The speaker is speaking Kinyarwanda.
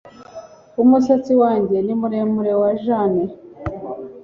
Umusatsi wanjye ni muremure wa Jane